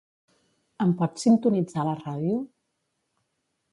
Em pots sintonitzar la ràdio?